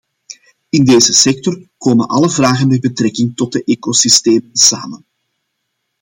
In deze sector komen alle vragen met betrekking tot de ecosystemen samen.